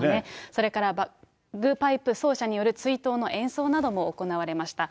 それから、バグパイプ奏者による追悼の演奏なども行われました。